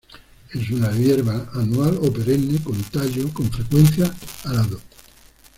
Es una hierba anual o perenne, con tallo con frecuencia alado.